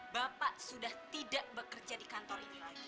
bapak sudah tidak bekerja di kantor